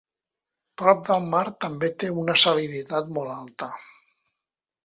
Prop del mar també té una salinitat molt alta.